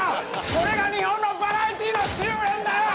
これが日本のバラエティーの終えんだよ！